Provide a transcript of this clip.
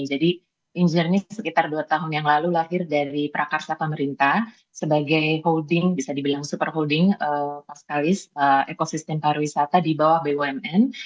jadi in journey sekitar dua tahun yang lalu lahir dari prakarsa pemerintah sebagai holding bisa dibilang super holding pak kalis ekosistem pariwisata di bawah bumn